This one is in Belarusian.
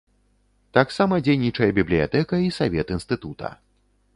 Таксама дзейнічае бібліятэка і савет інстытута.